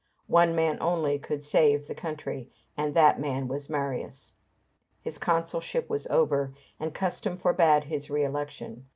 One man only could save the country, and that man was Marius. His consulship was over, and custom forbade his re election.